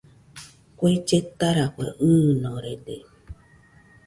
Kue lletarafue ɨɨnorede